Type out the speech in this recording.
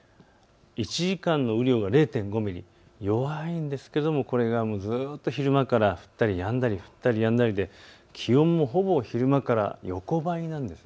１時間の雨量が０．５ミリ、弱いんですけれどもこれがずっと昼間から降ったりやんだり降ったりやんだりで気温もほぼ昼間から横ばいなんです。